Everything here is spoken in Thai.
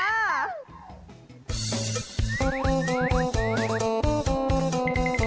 ไป